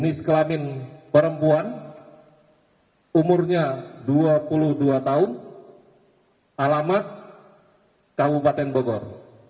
jenis kelamin perempuan umurnya dua puluh dua tahun alamat kabupaten bogor